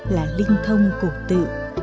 là linh thông cổ tự